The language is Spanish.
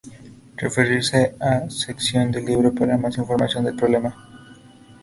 Referirse a sección del libro para más información del problema.